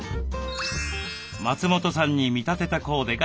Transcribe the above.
松本さんに見立てたコーデがこちら。